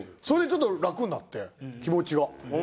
それでちょっと楽になって気持ちが。